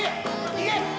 いけ！